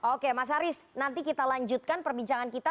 oke mas haris nanti kita lanjutkan perbincangan kita